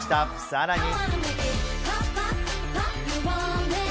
さらに。